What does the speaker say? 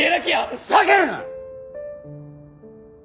ふざけるな！